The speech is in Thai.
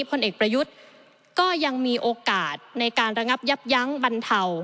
ผลเอกประยุทธ์ก็ยังมีโอกาสในการระงับยับยั้งบรรเทา